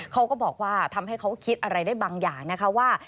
เขาก็บอกว่าทำให้เขาคิดอะไรได้บางอย่างนะคะว่า